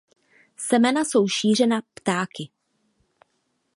Semena jsou šířena ptáky.